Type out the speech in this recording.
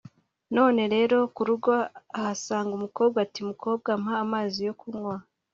noneho rero ku rugo ahasanga umukobwa ati mukobwa mpa amazi yo kunywa